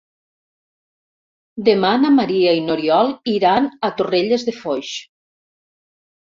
Demà na Maria i n'Oriol iran a Torrelles de Foix.